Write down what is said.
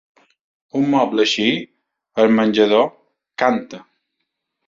Un moble així, al menjador, canta.